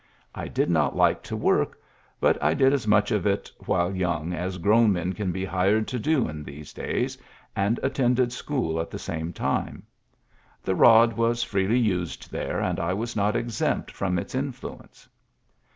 •.. I did not 1 work ; but I did as much of it young as grown men can be hired in these days, and attended school { same time. •.. The rod was freely there, and I was not exempt from : fluence."